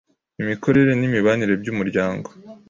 imikorere n’imibanire by’Umuryango